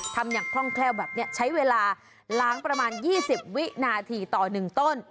ทำอย่างคล่องแคล่วแบบนี้ใช้เวลาล้างประมาณ๒๐วินาทีต่อ๑ต้น